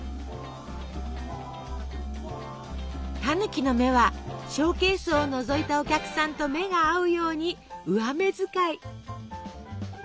たぬきの目はショーケースをのぞいたお客さんと目が合うように上目遣い。